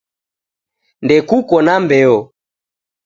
Ndekuko na mbeo